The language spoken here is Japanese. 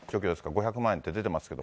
５００万円って出てますけど。